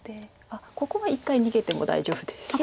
あっここは一回逃げても大丈夫です。